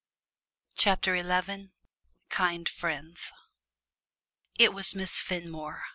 CHAPTER XI. KIND FRIENDS. It was Miss Fenmore.